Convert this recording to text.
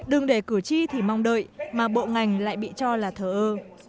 đừng để cử tri thì mong đợi mà bộ ngành lại bị cho là thờ ơ